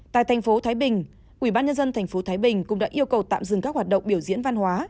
tại thành phố thái bình ubnd tp thái bình cũng đã yêu cầu tạm dừng các hoạt động biểu diễn văn hóa